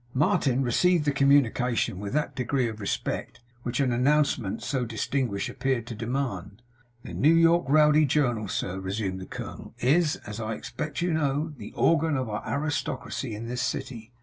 Martin received the communication with that degree of respect which an announcement so distinguished appeared to demand. 'The New York Rowdy Journal, sir,' resumed the colonel, 'is, as I expect you know, the organ of our aristocracy in this city.